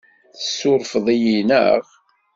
Tessurfeḍ-iyi, naɣ?